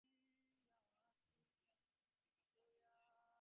অন্ধকার কোলঘেঁসিয়া অতিকাছে আসিয়া দাঁড়াইল!